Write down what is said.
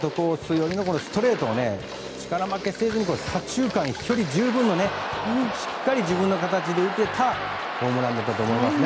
寄りのストレートを力負けせず左中間、飛距離十分でしっかり自分の形で打てたホームランだと思います。